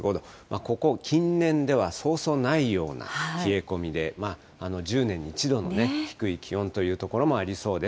ここ近年ではそうそうないような冷え込みで、１０年に一度の低い気温という所もありそうです。